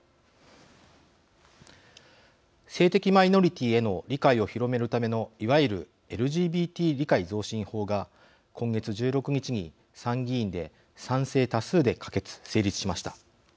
性的マイノリティーへの理解を広めるためのいわゆるＬＧＢＴ理解増進法が今月１６日に参議院で賛成多数で可決・成立しました。